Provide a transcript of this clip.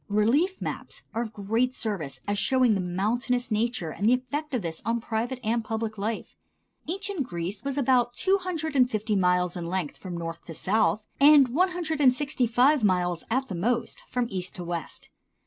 Relief maps are of great service as showing the mountainous nature and the effect of this on private and public life. Ancient Greece was about two hundred and fifty miles in length from north to south and one hundred and sixty five miles at the most from east to west.